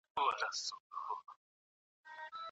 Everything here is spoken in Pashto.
ښځو له خپلو حقونو دفاع کوله.